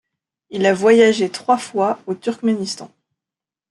Il a voyagé trois fois au Turkménistan.